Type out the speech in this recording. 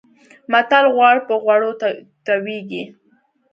متل: غوړ پر غوړو تويېږي.